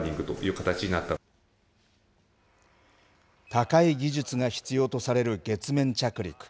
高い技術が必要とされる月面着陸。